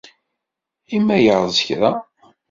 I ma yerreẓ kra?